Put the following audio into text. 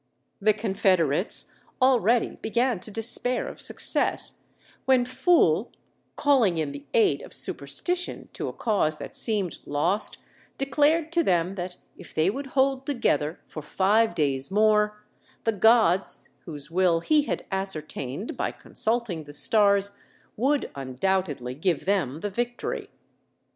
The confederates already began to despair of success, when Phul, calling in the aid of superstition to a cause that seemed lost, declared to them that if they would hold together for five days more, the gods, whose will he had ascertained by consulting the stars, would undoubtedly give them the victory.